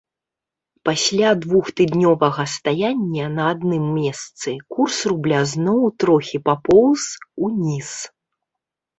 Пасля двухтыднёвага стаяння на адным месцы курс рубля зноў трохі папоўз уніз.